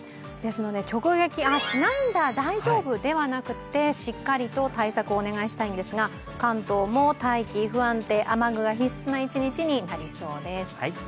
直撃しないんだ、大丈夫ではなくてしっかりと対策をお願いしたいんですが関東も待機、不安定、雨具が必須の一日になりそうです。